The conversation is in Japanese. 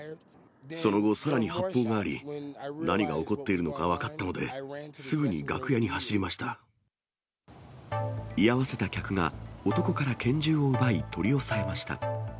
その後、さらに発砲があり、何が起こっているのか分かったので、すぐに楽居合わせた客が男から拳銃を奪い、取り押さえました。